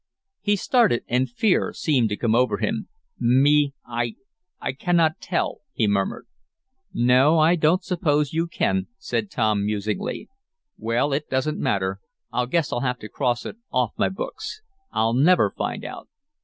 He started, and fear seemed to come over him. "Me I I can not tell," he murmured. "No, I don't suppose you can," said Tom, musingly. "Well, it doesn't matter, I guess I'll have to cross it off my books. I'll never find out."